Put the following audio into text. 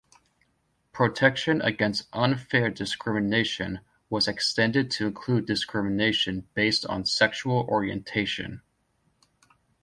Protection against unfair discrimination was extended to include discrimination based on sexual orientation.